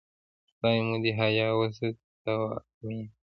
خدای مو دې حیا وساتي، ته وا آمین.